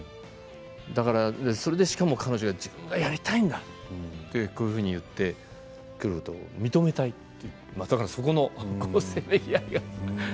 だから、それでしかも彼女が自分でやりたいんだと言ってそうやって言ってくると認めたいというそこのせめぎ合いだね。